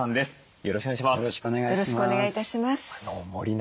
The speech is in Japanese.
よろしくお願いします。